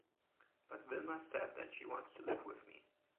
But Vilma said that she wants to live with me.